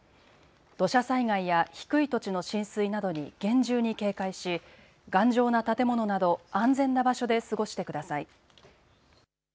土砂災害や低い土地の浸水などに厳重に警戒し頑丈な建物など安全な場所で過ごしてください。